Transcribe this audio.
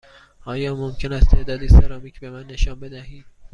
آیا ممکن است تعدادی سرامیک به من نشان بدهید؟